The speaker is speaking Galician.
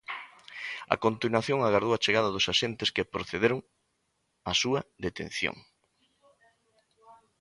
A continuación agardou a chegada dos axentes, que procederon á súa detención.